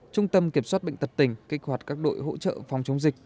trung tâm kiểm soát bệnh tật tỉnh kích hoạt các đội hỗ trợ phòng chống dịch